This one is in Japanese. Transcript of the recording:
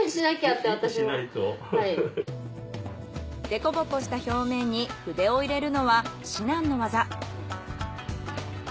デコボコした表面に筆を入れるのは至難の業。